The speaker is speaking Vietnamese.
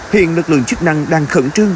hiện lực lượng chức năng đang khẩn trương